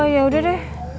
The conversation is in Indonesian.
ya udah deh